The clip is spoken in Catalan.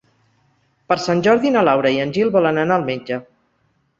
Per Sant Jordi na Laura i en Gil volen anar al metge.